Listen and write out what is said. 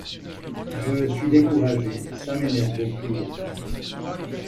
Je suis découragé, ça m’énerve au plus haut point!